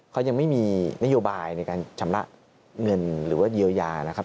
เขายังไม่มีนโยบายในการชำระเงินหรือว่าเยียวยานะครับ